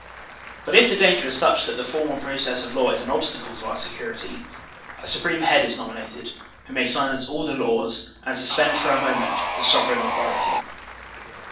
But if the danger is such that the formal proc ess of law is an obstacle to our sectirity, a supreme head is nominated, who may silence all the laws and suspend for a moment the sovereign authority.